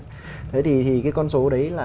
thế thì cái con số đấy là